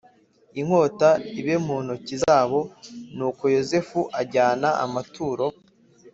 inkota ibe mu ntoki zaboNuko Yozefu ajyana amaturo